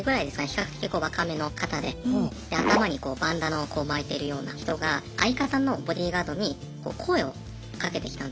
比較的若めの方で頭にこうバンダナをこう巻いてるような人が相方のボディーガードに声をかけてきたんですね。